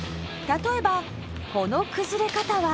例えばこの崩れ方は。